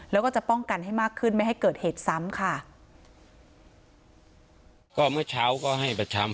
แล้วก็จะป้องกันให้มากขึ้นไม่ให้เกิดเหตุซ้ำค่ะ